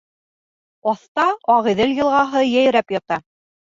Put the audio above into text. Аҫта Ағиҙел йылғаһы йәйрәп ята.